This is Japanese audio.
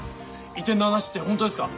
移転の話ってホントですか？